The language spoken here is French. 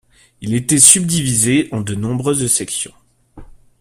Il était subdivisé en de nombreuses sections.